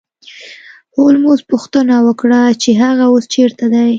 هولمز پوښتنه وکړه چې هغه اوس چیرته دی